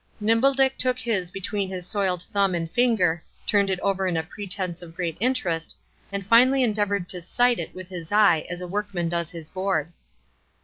Nimble Dick took his between his soiled thumb and finger, turned it over in a pretence of great interest, and finally endeavored to "sight" it with his eye, as a workman does his board.